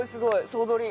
総取り。